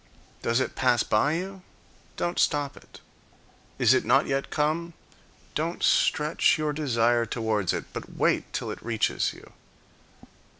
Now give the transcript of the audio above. Does it pass by you? Don't stop it. Is it not yet come? Don't stretch your desire towards it, but wait till it reaches you.